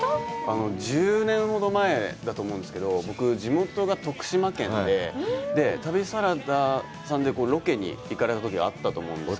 １０年ほど前だと思うんですけど、僕、地元が徳島県で、旅サラダさんでロケに行かれたときがあったと思うんですけど。